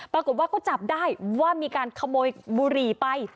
ปรากฏว่าก็จับได้ว่ามีการขโมยบุหรี่ไป